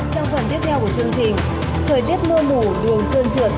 trong phần tiếp theo của chương trình thời tiết mưa mù đường trơn trượt